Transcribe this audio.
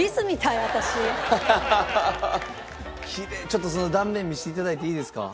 ちょっとその断面見せていただいていいですか？